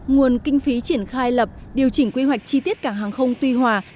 nguồn kinh phí triển khai lập điều chỉnh quy hoạch chi tiết cảng hàng không tuy hòa